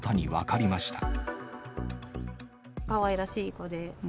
かわいらしい子で。